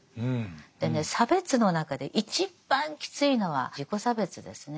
でね差別の中で一番きついのは自己差別ですね。